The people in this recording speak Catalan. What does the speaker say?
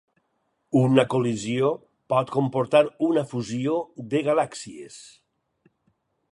Una col·lisió pot comportar una fusió de galàxies.